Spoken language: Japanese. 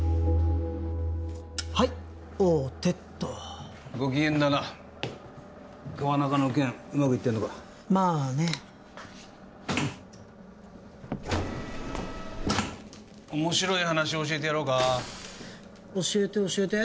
はい王手っとご機嫌だな川中の件うまくいってんのかまあね面白い話教えてやろうか教えて教えて